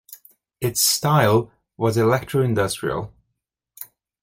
Its style was electro-industrial.